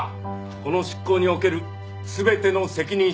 この執行における全ての責任者は私です。